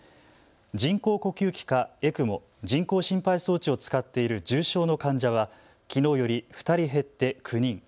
人工呼吸器かＥＣＭＯ・人工心肺装置を使っている重症の患者はきのうより２人減って９人。